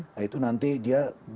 nah itu nanti dia